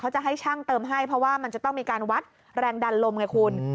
จะให้ช่างเติมให้เพราะว่ามันจะต้องมีการวัดแรงดันลมไงคุณ